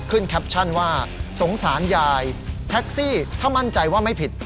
แคปชั่นว่าสงสารยายแท็กซี่ถ้ามั่นใจว่าไม่ผิด